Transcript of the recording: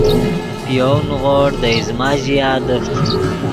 پے یَؤْ نیغوڑ دے ایزمہ ژیا دیفت